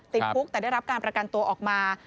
ติดคุกแต่ได้รับการประกันตัวออกมา